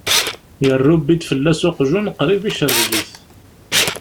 Yerrubbi-d fell-as uqjun, qrib icerreg-it.